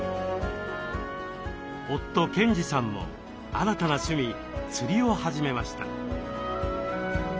夫・賢治さんも新たな趣味釣りを始めました。